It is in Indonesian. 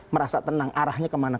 merasa tenang arahnya kemana